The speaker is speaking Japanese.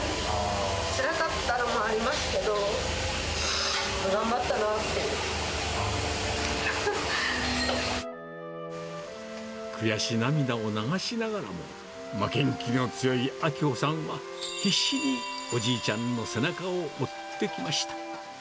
つらかったのもありますけど、悔し涙を流しながらも、負けん気の強いあきほさんは、必死におじいちゃんの背中を追ってきました。